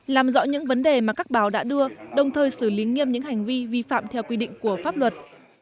làm rõ những vấn đề mà các báo đã đưa đồng thời xử lý nghiêm những hành vi vi phạm theo quy định của pháp luật